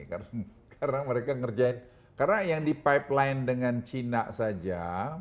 karena mereka ngerjain karena yang di pipeline dengan cina saja